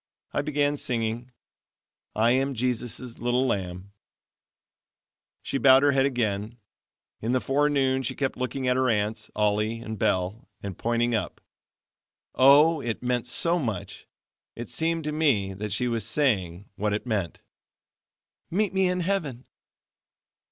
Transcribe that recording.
I began singing: "I am Jesus' little lamb." She bowed her head again. In the forenoon she kept looking at her aunts, Ollie and Belle, and pointing up. Oh! it meant so much. It seemed to me that she was saying, that it meant: "Meet me in heaven."